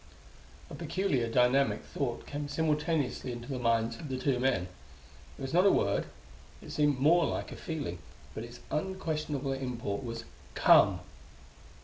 A peculiar, dynamic thought came simultaneously into the minds of the two men. It was not a word: it seemed more like a feeling; but its unquestionable import was "Come."